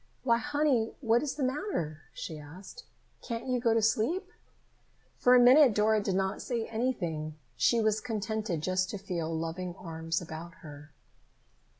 "Why, honey, what is the matter?" she asked. "Can't you go to sleep?" For a minute Dora did not say anything. She was contented just to feel loving arms about her.